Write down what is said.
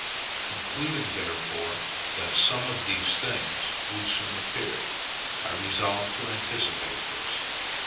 Concluding, therefore, that some of these things would soon appear, I resolved to anticipate this.